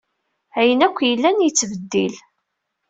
Ayen akk yellan yettbeddil.